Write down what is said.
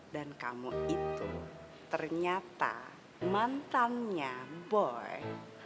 dan kamu itu ternyata mantannya boy